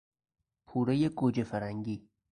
پورهی گوجه فرنگی